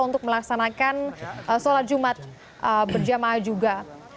untuk melaksanakan sholat jumat berjamaah juga